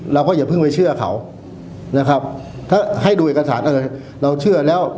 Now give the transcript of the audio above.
อย่าเพิ่งไปเชื่อเขานะครับถ้าให้ดูเอกสารอะไรเราเชื่อแล้ว